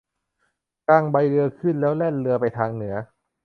กางใบเรือขึ้นแล้วแล่นเรือไปทางเหนือ